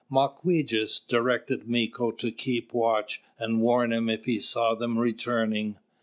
Mawquejess directed Mīko to keep watch, and warn him if he saw them returning.